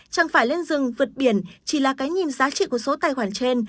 chẳng phải lên rừng vượt biển chỉ là cái nhìn giá trị của số tài khoản trên